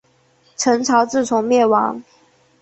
陈朝自从灭亡。